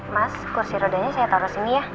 mas kursi rodanya saya taruh sini ya